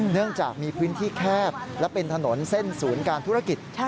เนื่องจากมีพื้นที่แคบและเป็นถนนเส้นศูนย์การธุรกิจ